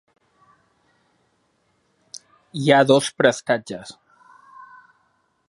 Hi ha dos prestatges.